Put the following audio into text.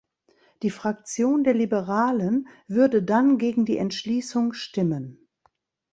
Die Fraktion der Liberalen würde dann gegen die Entschließung stimmen.